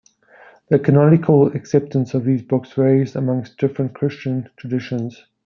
The canonical acceptance of these books varies among different Christian traditions.